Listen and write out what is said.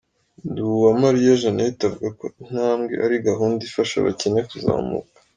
Nduwamariya Jeannette avuga ko "intambwe" ari gahunda ifasha abakene kuzamuka.